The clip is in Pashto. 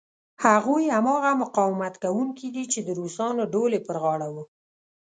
هغوی هماغه مقاومت کوونکي دي چې د روسانو ډول یې پر غاړه و.